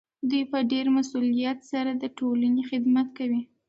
دوی په ډیر مسؤلیت سره د ټولنې خدمت کوي.